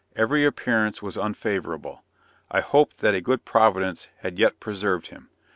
Every appearance was unfavorable. I hoped that a good Providence had yet preserved him.